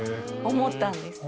思ったんです。